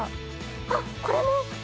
あっこれも！